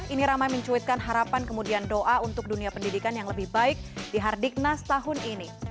ini ramai mencuitkan harapan kemudian doa untuk dunia pendidikan yang lebih baik di hardiknas tahun ini